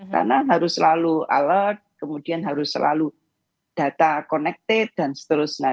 karena harus selalu alert kemudian harus selalu data connected dan seterusnya